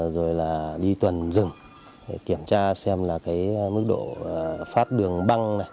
rồi là đi tuần rừng để kiểm tra xem là cái mức độ phát đường băng này